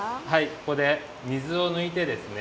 ここで水をぬいてですね